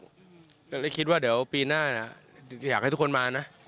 ก็เลยคิดว่าเดี๋ยวปีหน้าอยากให้ทุกคนมานะ